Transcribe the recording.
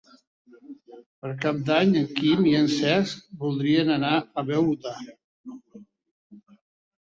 Per Cap d'Any en Quim i en Cesc voldrien anar a Beuda.